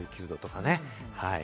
１９度とかね。